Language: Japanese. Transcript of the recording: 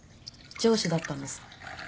上司だったんです。